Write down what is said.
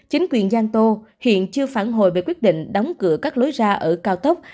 chính quyền giang tô hiện chưa phản hồi về quyết định đóng cửa các lối ra ở cao tốc